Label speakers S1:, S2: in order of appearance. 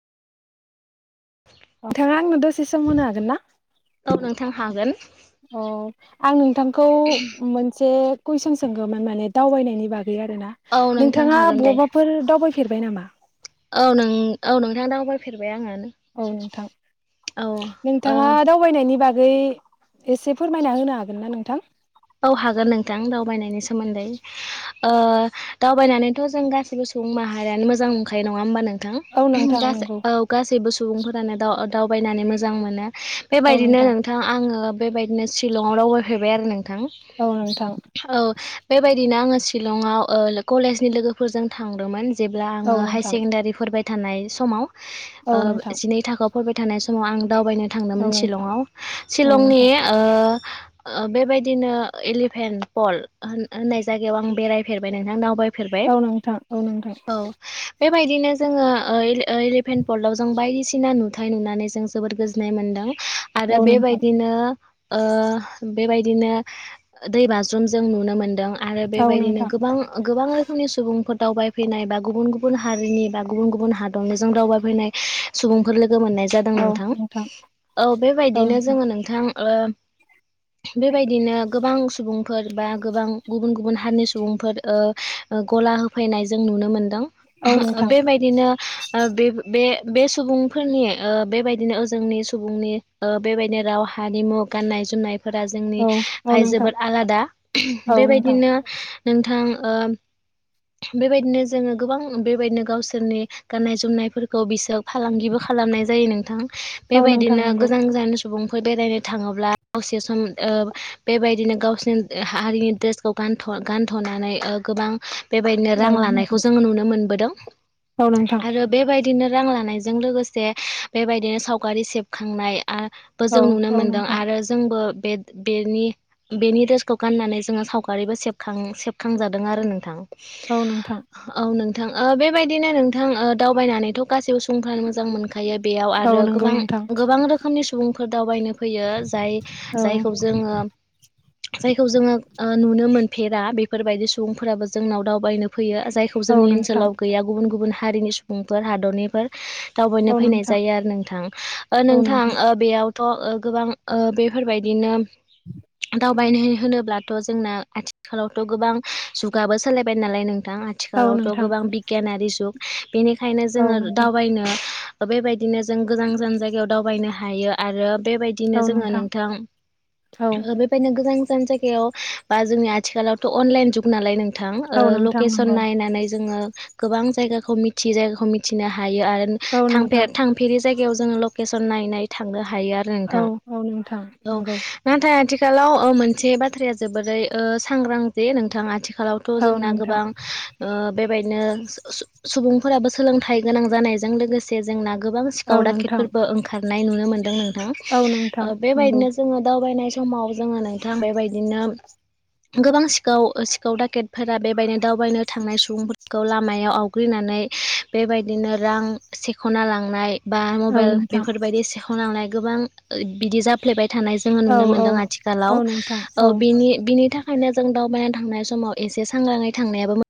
S1: नोंथाङा आंनो दसे सम होनो हागोन ना?
S2: औ नोंथां हागोन।
S1: अ आं नोंथांखौ मोनसे कुइसन सोंगौमोन माने दावबायनायनि बागै बे आरोना।
S2: औ नोंथां
S1: नोंथाङा
S2: हागोन दे
S1: बहाबाफोर दावबायफेरबाय नामा?
S2: औ नों औ नोंथाङा दावबायफेरबाय आङो।
S1: औ नोंथां
S2: औ ओ
S1: नोंथाङा दावबायनायनि बा गै एसे फोरमायना होनो हागोन ना नोंथां?
S2: औ हागोन नोंथां दावबायनायनि सोमोन्दै। अ दावबायनानैथ' जों गासिबो सुबुं माहारियानो मो जां नंखायो नङा होमबा नोंथां?
S1: औ नोंथां नंगौ
S2: औ गासैबो सुबुंफोरानो दाउ दावबायनानै मोजां मोनो बेबायदिनो नोंथां आङो बेबायदिनो सिशिलंआव दावबायफैबाय आरो नोंथां।
S1: औ नोंथां
S2: औ बेबायदिनो आङो शिलंआव कलेजनि लोगोफोरजों थांदोंमोन जेब्ला
S1: औ
S2: आङो हायार
S1: नोंथां
S2: सेकेण्डारिफोरबाय थानाय समाव
S1: औ नोंथां
S2: जिनै थाखोआव फरायबाय थानाय समाव आं दावबायनो
S1: औ
S2: थांदोंमोन
S1: नोंथां
S2: शिलंआव
S1: औ
S2: शिलंनि
S1: नोंथां
S2: ओ-ओ बेबायदिनो एलिफेन्ट पल होननाय जायगायाव आं बेरायफेरबाय नोंथां [unintelligible] फेरबाय
S1: औ नोंथां औ नोंथां
S2: औ बे बेबायदिनो जोङो इलेभेन पुवल्भाव जों बायदिसिना नुथाय नुनानै जों जोोबद गोजोननाय मोन्दों।
S1: औ
S2: आरो
S1: नोंथां
S2: बेबायदिनो ओ बेबायदिनो अ दै बाज्रुमजों नुनो मोनदों, आरो
S1: औ
S2: बेबायदिनो
S1: नोंथां
S2: गोबां गोबां रोखोमनि सुबुंफोर दावबायफैनाय बा गुबुन गुबुन हारिनि बा गुबुन गुबुन हादरनिजों दावबायफैनाय सुबुंफोर लोगो मोननाय जादों नोंथां। औ बेबायदिनो जोङो नोंथां ओ बेबायदिनो गोबां सुबुंफोर बा गोबां गुबुन गुबुन हारिनि सुबुंफोर ओ ओ गला होफैनाय जों नु नुनो मोनदों। ओ
S1: नोंथां
S2: बेबायदिनो ओ बे बे-बे सुबुंफोरनि ओ बेबायदिनो ओ जोंनि सुबुंनि ओ बेबायदिनो राव हारिमु गाननाय जोमनायफोरा जोंनि
S1: औ नोंथां औ औ
S2: फाय
S1: नोंथां
S2: जोबोद आलादा।
S1: औ नोंथां
S2: बेबायदिनो नोंथां ओम बेबायदिनो जोङो गोबां बेबायदिनो गावसोरनि गाननाय जोमनायफोरखौ बिसोर फालांगिबो खा खालामनाय जायो नोंथां।
S1: औ नोंथां
S2: बेबायदिनो
S1: नंगौ
S2: गोजान गोजान सुबुंफोर बेरायनो थाङोब्ला दसे सम बेबायदिनो गावसिनि हा-हारिनि ड्रेसखौ गानथ'-गानथ'नानै गोबां बेबायदिनो रां
S1: औ नोंथां
S2: लानायखौ जोङो नुनो मोनबोदों।
S1: औ नोंथां
S2: आरो बेबायदिनो रां लानायजों लोगोसे बेबायदिनो सावगारि सेबखांनाय आ बो
S1: औ
S2: जों नुनो
S1: औ
S2: मोनदों
S1: नोंथां
S2: आरो जोंबो बे-बेनि बेनि दड्रेसखौ गाननानै जोङो सावगारिबो सेबखां सेबखांजादों आरो नोंथां
S1: औ नोंथां।
S2: औ नोंथां ओ बेबायदिनो नोंथां ओ दावबायनानैथ' गासैबो सुबुंफ्रानो मोजां मोनखायो बेयाव
S1: औ
S2: आरो
S1: नंगौ
S2: गोबां
S1: नोंथां
S2: गोबां रोखोमनि सुबुंफोर दावबायनो फैयो
S1: औ
S2: जाय-जायखौ जोङो जायखौ जोङो नुनो मोन फेरा बेफोरबायदि सुबुंफोराबो जोंनाव दावबायनो फैयो जायखौ
S1: औ
S2: जोंनि
S1: नोंथां
S2: ओनसोलाव गैया गुबुन गुबुन हारिनि सुबुंफोर हादरनिफोर दावबायनो
S1: औ
S2: फैनाय
S1: नोंथां
S2: जायो आरो नोंथां। नोंथां बेयाव थ' ओ गोबां ओ बेफोरबायदिनो दावबायनो होनोब्लाथ' जोंना आथिखालावथ' गोबां जुगाबो सोलायबाय नालाय नों थां
S1: औ
S2: आथिखालावथ'
S1: नोंथां
S2: गोबां बिगियानारि जुग बेनिखायनो
S1: औ
S2: जोङो
S1: नोंथां
S2: दावबायनो बेबायदिनो जों गोजान गोजान जायगायाव दावबायनो हायो आरो बेबायदिनो जोङो नोंथां
S1: औ
S2: ओ बे गोजान गोजान जायगायाव बा जोंनि आथिखालावथ' अनलाइन जुग नालाय नों थां ओ
S1: औ नोंथां
S2: लकेसन
S1: नंगौ
S2: नायनानै जोङो गोबां जायगाखौ मिथियि जायगाखौ मिथिनो हा हायो आरो
S1: औ नोंथां
S2: थांफे-थांफेरि जायगायाव जोङो लकेसन नाय नाय थांनो हा हायो आरो
S1: औ
S2: नोंथां।
S1: औ नोंथां
S2: औ
S1: नंगौ
S2: नाथाय आथि खालाव मोनसे बाथ्राया जोबोरै सांग्रां जे नोंथाङा आथि खालावथ'
S1: औ
S2: जोंना
S1: नोंथां
S2: गोबां ओ बेबायदिनो सु-सु-सुबुंफोराबो सोलोंथाइ गोनां जानायजों लोगोसे जोंना गोबां सिखाव
S1: औ नोंथां
S2: दाखेटफोरबो ओंखारनाय नुनो मोनदों नोंथां।
S1: औ नोंथां
S2: ओ
S1: नंगौ
S2: बेबायदिनो जोङो दावबायनाय समाव जोङो नोंथां बेयबायदिनो गोबां सिखाव सिखाव डाकेटफोरा बेबायदिनो दावबायनो थांनाय सुबुंफोरखौ लामायाव आवग्रिनानै नै बेबायदिनो रां सेख'ना लांनाय बा
S1: औ
S2: मबाइल
S1: नोंथां
S2: बेफोरबायदि सेखावनांनाय गोबां बिदि जाफ्लेबाय थानाय जोङो
S1: औ
S2: नुनो
S1: औ
S2: मोनदों आथिखालाव।
S1: औ नोंथां
S2: औ ेनि बेनि थाखायनो जों दावबायनानै थांनाय समाव एसे सांग्राङै थांनायाबो मो